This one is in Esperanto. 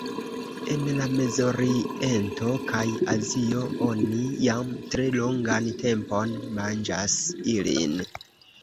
En la Mezoriento kaj Azio oni jam tre longan tempon manĝas ilin.